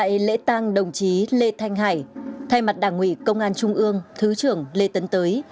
tại lễ tang đồng chí lê thanh hải thay mặt đảng ủy công an trung ương thứ trưởng lê tấn tới